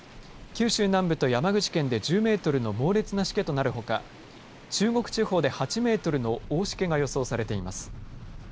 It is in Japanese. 九州南部と山口県で１０メートルの猛烈な、しけとなるほか中国地方で８メートルの大しけが予想されています。